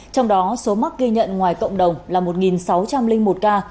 trong đó số mắc ghi nhận ngoài cộng đồng là một sáu trăm linh một ca